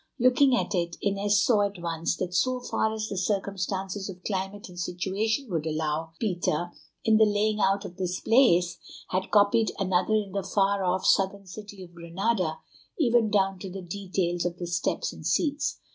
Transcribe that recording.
Looking at it, Inez saw at once that so far as the circumstances of climate and situation would allow, Peter, in the laying out of this place, had copied another in the far off, southern city of Granada, even down to the details of the steps and seats.